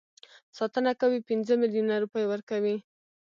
ساتنه کوي پنځه میلیونه روپۍ ورکوي.